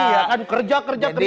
iya kan kerja kerja